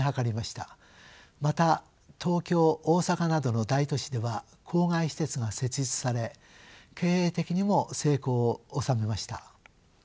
また東京大阪などの大都市では郊外私鉄が設立され経営的にも成功を収めました。